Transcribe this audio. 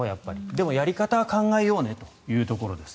でもやり方は考えようねというところです。